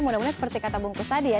mudah mudahan seperti kata bungkus tadi ya